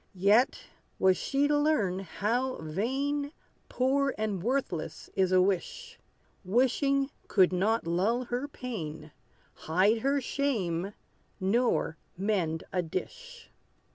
Yet was she to learn how vain, Poor and worthless, is a wish. Wishing could not lull her pain, Hide her shame, nor mend a dish.